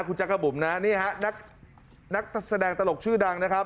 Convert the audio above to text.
คุณจักรบุ๋มนะนี่ฮะนักแสดงตลกชื่อดังนะครับ